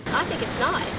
saya pikir itu bagus